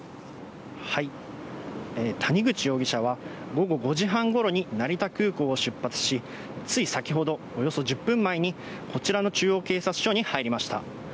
谷口容疑者は、午後５時半ごろに成田空港を出発し、つい先ほど、およそ１０分前にこちらの中央警察署に入りました。